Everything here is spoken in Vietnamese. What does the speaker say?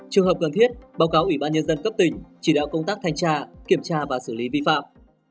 trường hợp cần thiết báo cáo ủy ban nhân dân cấp tỉnh chỉ đạo công tác thanh tra kiểm tra và xử lý vi phạm